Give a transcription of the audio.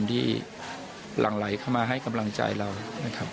หลั่งไหลเข้ามาให้กำลังใจเรานะครับ